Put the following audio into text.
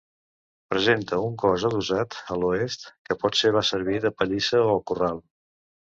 Presenta un cos adossat a l'oest, que potser va servir de pallissa o corral.